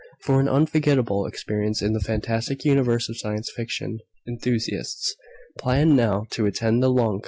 For an unforgettable experience in the fantastic universe of science fiction enthusiasts, plan now to attend the LONCON!